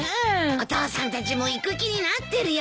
お父さんたちも行く気になってるよ。